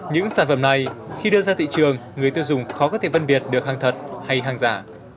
những sản phẩm này khi đưa ra thị trường người tiêu dùng khó có thể phân biệt được hàng thật hay hàng giả